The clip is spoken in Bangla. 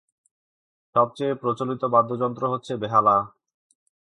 সবচেয়ে প্রচলিত বাদ্যযন্ত্র হচ্ছে বেহালা।